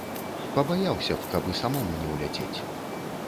Пабаяўся б, каб і самому не ўляцець.